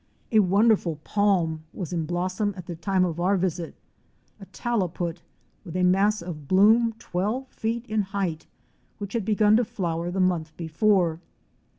A wonderful palm was in blossom at the time of our visit —a Taliput with a mass of bloom twelve fect in height which had begun to flower the month before.